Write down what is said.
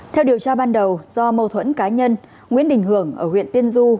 theo điều tra ban đầu do mâu thuẫn cá nhân nguyễn đình hưởng ở huyện tiên du